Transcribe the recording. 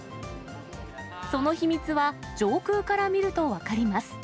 その秘密は、上空から見ると分かります。